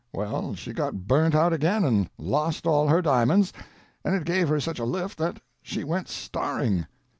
Well, she got burnt out again and lost all her diamonds, and it gave her such a lift that she went starring."